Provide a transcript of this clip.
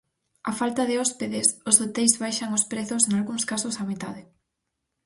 A falta de hospedes, os hoteis baixan os prezos nalgúns casos á metade.